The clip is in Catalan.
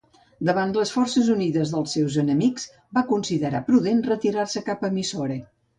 Davant les forces unides dels seus enemics va considerar prudent retirar-se cap a Mysore.